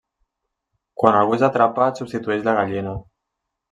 Quan algú és atrapat substitueix la gallina.